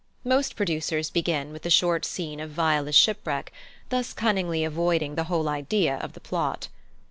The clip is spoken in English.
Most producers begin with the short scene of Viola's shipwreck, thus cunningly avoiding the whole idea of the plot.